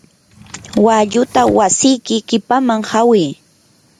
walluta wasiyki qipamman hawi.